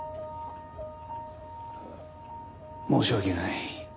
申し訳ない。